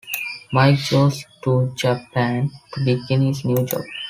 Mike goes to Japan to begin his new job.